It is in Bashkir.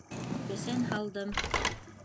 Бесән һалдым.